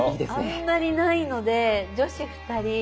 あんまりないので女子ふたり。